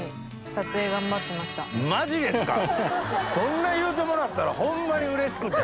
マジですか⁉そんな言うてもらったらホンマにうれしくて。